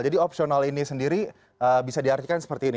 jadi opsional ini sendiri bisa diartikan seperti ini